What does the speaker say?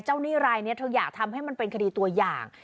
หนี้รายนี้เธออยากทำให้มันเป็นคดีตัวอย่าง